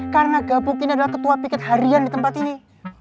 karena gabuk ini adalah ketua piket harian di tempat ini